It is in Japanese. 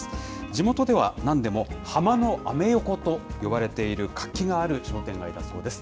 地元では、なんでもハマのアメ横と呼ばれている活気がある商店街だそうです。